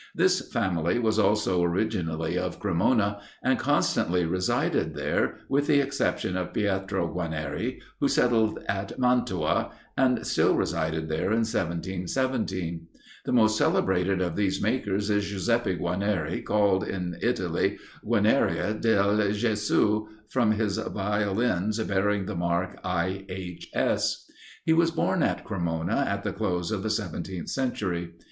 This family was also originally of Cremona, and constantly resided there, with the exception of Pietro Guarnieri, who settled at Mantua, and still resided there in 1717. The most celebrated of these makers is Giuseppe Guarnieri, called in Italy "Guarnieri del Gesu," from his Violins bearing the mark IHS. He was born at Cremona at the close of the seventeenth century.